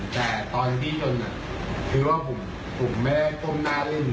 แต่ตอนที่ชนคือว่าผมไม่ได้ก้มหน้าเล่น